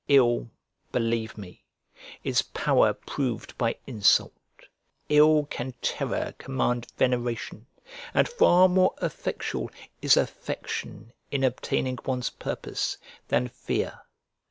Ill, believe me, is power proved by insult; ill can terror command veneration, and far more effectual is affection in obtaining one's purpose than fear.